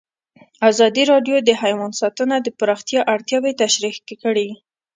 ازادي راډیو د حیوان ساتنه د پراختیا اړتیاوې تشریح کړي.